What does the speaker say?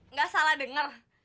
nggak salah dengar